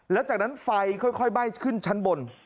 และจากนั้นไฟค่อยค่อยไฟขึ้นชั้นบน